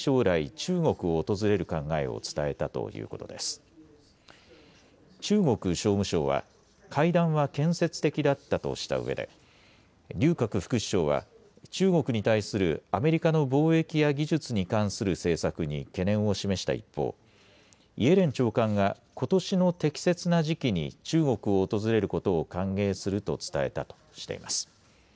中国商務省は会談は建設的だったとしたうえで劉鶴副首相は中国に対するアメリカの貿易や技術に関する政策に懸念を示した一方、イエレン長官がことしの適切な時期に中国を訪れることを歓迎すると伝えたとしています。